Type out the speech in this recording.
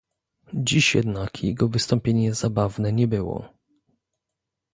Dziś jednak jego wystąpienie zabawne nie było